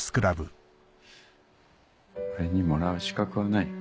俺にもらう資格はない。